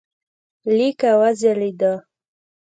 لیکه وځلېده.